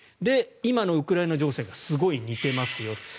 今のウクライナ情勢がすごい似ていますよ。